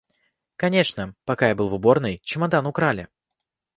Конечно, пока я был в уборной, чемодан украли.